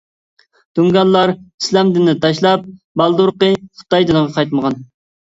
تۇڭگانلار ئىسلام دىنىنى تاشلاپ بالدۇرقى خىتاي دىنىغا قايتمىغان.